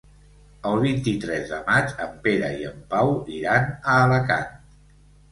El vint-i-tres de maig en Pere i en Pau iran a Alacant.